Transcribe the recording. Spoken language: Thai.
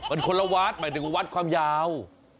มันคนละวัดหมายถึงวัดความยาว